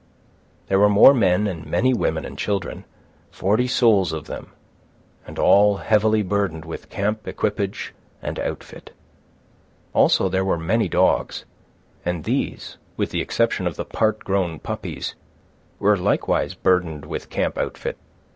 There were more men and many women and children, forty souls of them, and all heavily burdened with camp equipage and outfit. Also there were many dogs; and these, with the exception of the part grown puppies, were likewise burdened with camp outfit.